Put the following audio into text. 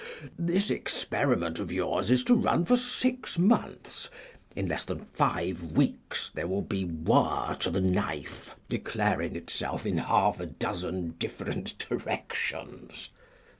This experiment of yours is to run for six months; in less than five weeks there will be war to the knife declaring itself in half a dozen different directions."